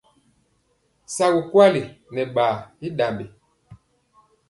Suvu nkwali nɛ ɓaa i ɗambi.